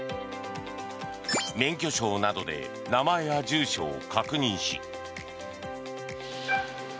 免許証などで名前や住所を確認し。